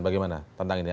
bagaimana tentang ini